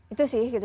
itu sih gitu